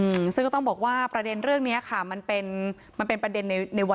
ไม่ต้องการไปชุดนั่งเกียรติออกไปเลยชุดนี้ออกไปเลยไม่ใช่โรคเรียนออกไป